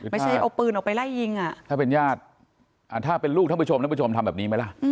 ไม่ใช่เอาปืนออกไปไล่ยิงอ่ะถ้าเป็นญาติถ้าเป็นลูกท่านผู้ชมท่านผู้ชมทำแบบนี้ไหมล่ะ